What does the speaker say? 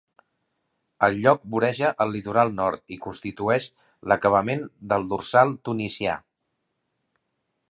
El lloc voreja el litoral nord i constitueix l'acabament del Dorsal tunisià.